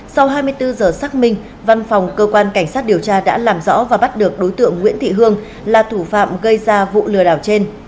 sau hai mươi bốn giờ xác minh văn phòng cơ quan cảnh sát điều tra đã làm rõ và bắt được đối tượng nguyễn thị hương là thủ phạm gây ra vụ lừa đảo trên